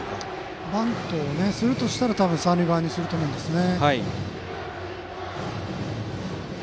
バントするとしたら三塁側にすると思うんですよね。